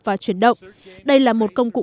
và chuyển động đây là một công cụ